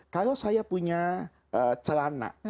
kalau saya punya celana